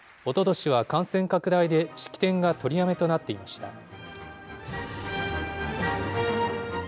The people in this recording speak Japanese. おととしは感染拡大で式典が取りやめとなっていました。